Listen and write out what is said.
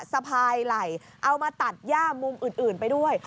สะพายไหล่เอามาตัดย่ามุมอื่นไปด้วย